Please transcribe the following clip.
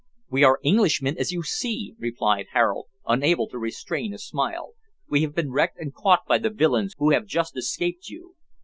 "We are Englishmen, as you see," replied Harold, unable to restrain a smile; "we have been wrecked and caught by the villains who have just escaped you."